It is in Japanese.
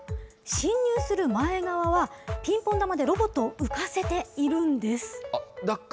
侵入する前側は、ピンポン球でロボットを浮かせているんです。